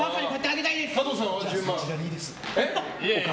そちらでいいです。